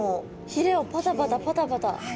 ひれをパタパタパタパタ。